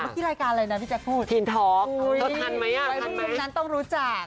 ที่รายการอะไรนะพี่แจ๊คพูดทีนทอล์กเขาทันไหมทันไหมวันนั้นต้องรู้จัก